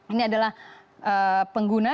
ini adalah pengguna